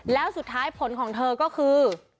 แล้วสุดท้ายผลของเธอก็คือ